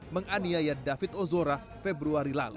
menganiaya david ozora februari lalu